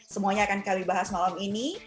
semuanya akan kami bahas malam ini